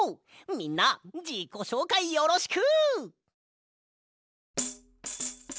みんなじこしょうかいよろしく！